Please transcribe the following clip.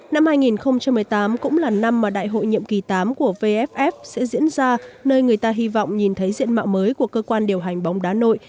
năm hai nghìn một mươi tám cũng là năm mà đại hội nhiệm kỳ tám của vff sẽ diễn ra nơi người ta hy vọng nhìn thấy diện mạo mới của cơ quan điều hành bóng đá nội